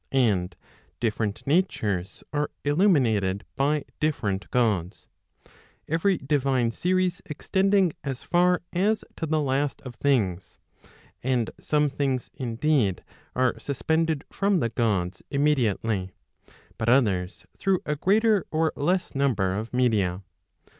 And different natures are illuminated by different Gods; every divine series extending as far as to the last of things. And some things indeed are suspended from the Gods immedi¬ ately, but others through a greater or less number of media.